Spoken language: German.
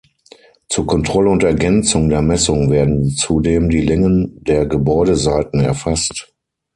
Zur Kontrolle und Ergänzung der Messung werden zudem die Längen der Gebäudeseiten erfasst.